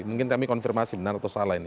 mungkin kami konfirmasi benar atau salah ini